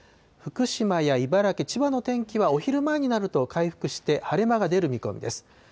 福島や茨城、千葉の天気はお昼前になると回復して、晴れ間が出る見込みです。